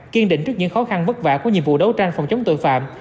kiên định trước những khó khăn vất vả của nhiệm vụ đấu tranh phòng chống tội phạm